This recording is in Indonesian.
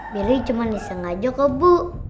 billy cuma disengaja kebu